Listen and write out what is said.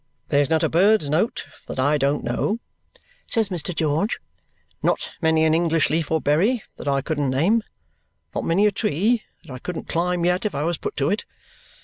"There's not a bird's note that I don't know," says Mr. George. "Not many an English leaf or berry that I couldn't name. Not many a tree that I couldn't climb yet if I was put to it.